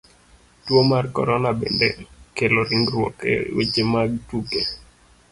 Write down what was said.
Tuo mar korona bende, okelo ringruok e weche mag tuke.